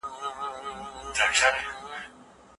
جامې مو تل پاکې او سترې وساتئ.